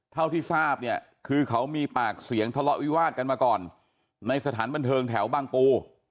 เท่าที่ทราบเนี่ยคือเขามีปากเสียงทะเลาะวิวาดกันมาก่อนในสถานบันเทิงแถวบางปู